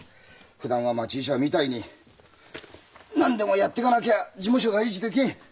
ふだんは町医者みたいに何でもやっていかなきゃ事務所が維持できん。